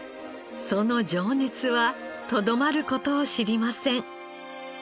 その情熱はとどまる事を知りません。